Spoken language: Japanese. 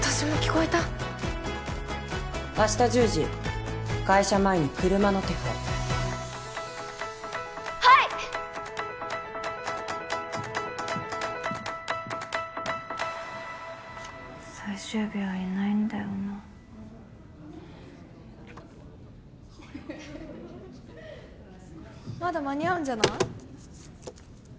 最終日はいないんだよなまだ間に合うんじゃない？